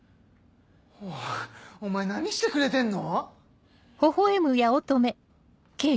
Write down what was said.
おいお前何してくれてんの？